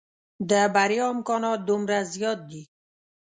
د بريا امکانات دومره زيات دي.